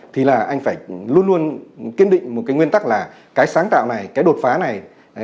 thì là anh phải luôn luôn kiên định một cái nguyên tắc là cái sáng tạo này cái đột phá này